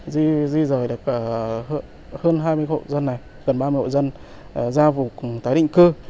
di rời được hơn hai mươi hộ dân này gần ba mươi hộ dân ra vùng tái định cư